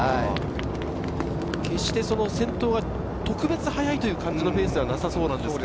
決して先頭が特別速いという感じではなさそうなんですが。